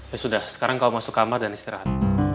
ya sudah sekarang kau masuk kamar dan istirahat